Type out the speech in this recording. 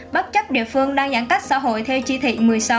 bất chấp địa phương đang giãn cách xã hội theo chỉ thị một mươi sáu